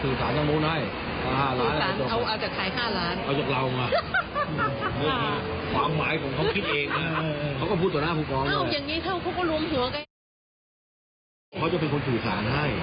อย่างเงี้ยเขาเขาก็รวมหัวกันเขาจะเป็นคนถือสารให้